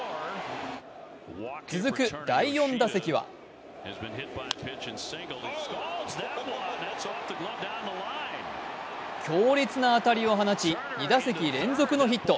続く第４打席は強烈な当たりを放ち、２打席連続のヒット。